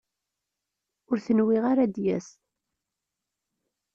Ur t-nwiɣ ara ad d-yas.